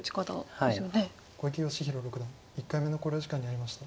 小池芳弘六段１回目の考慮時間に入りました。